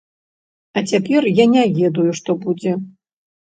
А цяпер я не ведаю, што будзе.